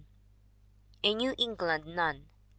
A New England Nun, 1891.